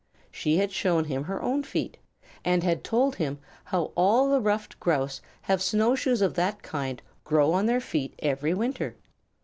She had shown him her own feet, and had told him how all the Ruffed Grouse have snow shoes of that kind grow on their feet every winter.